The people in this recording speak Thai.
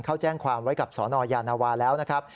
เขาแจ้งความไว้กับสนยานวาแล้วนะครับ